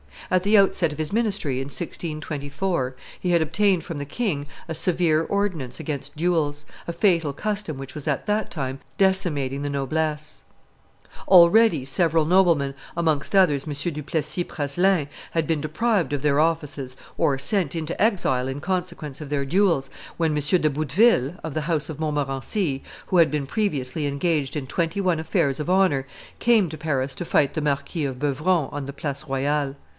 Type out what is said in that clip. At the outset of his ministry, in 1624, he had obtained from the king a severe ordinance against duels a fatal custom which was at that time decimating the noblesse. [Illustration: Double Duel 188] Already several noblemen, amongst others M. du Plessis Praslin, had been deprived of their offices or sent into exile in consequence of their duels, when M. de Bouteville, of the house of Montmorency, who had been previously engaged in twenty one affairs of honor, came to Paris to fight the Marquis of Beuvron on the Place Royale.